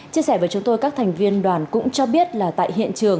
chia sẻ với chúng tôi các thành viên đoàn cũng cho biết là tại hiện trường